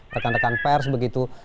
rekan rekan pers begitu